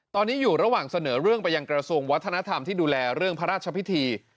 ตอนนี้อยู่ระหว่างเสนอเรื่องไปยังกระทรวงวัฒนธรรมที่ดูแลเรื่องพระราชพิธี